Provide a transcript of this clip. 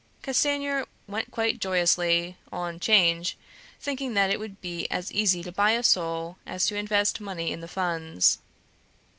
Castanier went quite joyously on 'Change, thinking that it would be as easy to buy a soul as to invest money in the Funds.